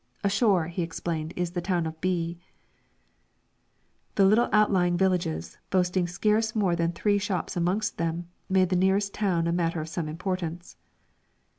"Ashore," he explained, "is the town of B ." The little outlying villages, boasting scarce more than three shops amongst them, made the nearest town a matter of some importance.